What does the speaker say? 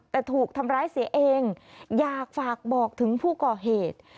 แต่ถูกทำร้ายเสียเองอยากฝากบอกถึงผู้ก่อเหตุ